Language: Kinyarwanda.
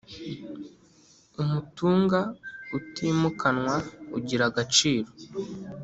umutunga utimukanwa ugira agaciro